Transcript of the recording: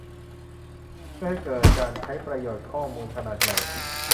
เพื่อให้เกิดการใช้ประโยชน์ข้อมูลขนาดใหญ่